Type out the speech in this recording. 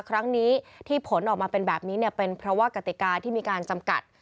ครั้งนี้ที่ผลออกมาเป็นแบบนี้เป็นเพราะว่ากติกาที่มีการจำกัด